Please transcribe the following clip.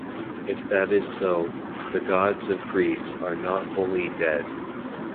If that is so, the gods of Greece are not wholly dead.